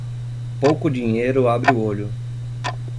Pouco dinheiro abre o olho.